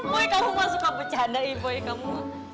boy kamu mah suka bercandai boy kamu